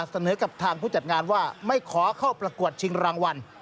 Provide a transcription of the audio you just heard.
เสนอกับทางผู้จัดงานว่าไม่ขอเข้าประกวดชิงรางวัล